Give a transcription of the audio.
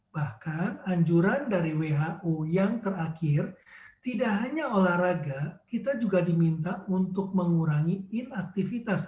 bahkan anjuran dari who yang terakhir tidak hanya olahraga kita juga diminta untuk mengurangi inaktivitas